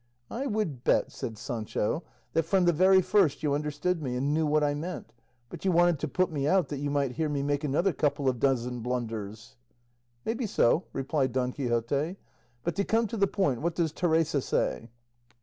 "I would bet," said Sancho, "that from the very first you understood me, and knew what I meant, but you wanted to put me out that you might hear me make another couple of dozen blunders." "May be so," replied Don Quixote; "but to come to the point, what does Teresa say?"